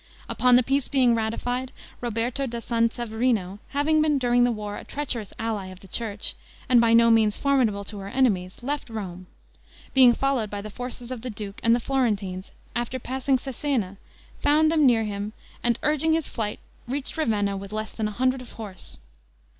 Upon the peace being ratified, Roberto da San Severino, having been during the war a treacherous ally of the church, and by no means formidable to her enemies, left Rome; being followed by the forces of the duke and the Florentines, after passing Cesena, found them near him, and urging his flight reached Ravenna with less than a hundred horse.